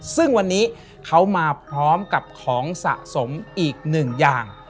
ซึ่งวันนี้เขามาพร้อมกับของสะสมอีกหนึ่งอย่าง